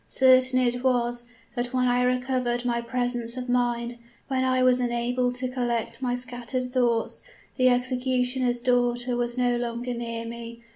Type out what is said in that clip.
Certain it was, that when I recovered my presence of mind, when I was enabled to collect my scattered thoughts, the executioner's daughter was no longer near me.